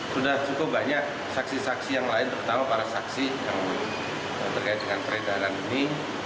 sudah cukup banyak saksi saksi yang lain terutama para saksi yang terkait dengan peredaran ini